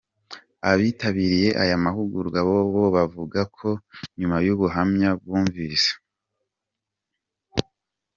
Abitabiriye aya mahugurwa bo bo bavuga ko nyuma y’ubuhamya bumvise.